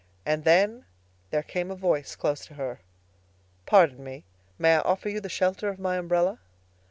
And then—there came a voice close to her. "Pardon me—may I offer you the shelter of my umbrella?"